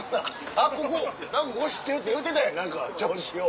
あ何かここ知ってるって言うてたやん何か調子よう。